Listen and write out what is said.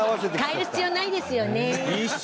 変える必要ないですよね？